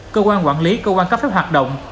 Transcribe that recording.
cơ quan quản lý cơ quan cấp phép hoạt động